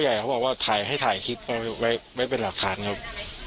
พ่อใหญ่เขาบอกว่าให้ถ่ายคลิปไว้เป็นหลักฐานครับ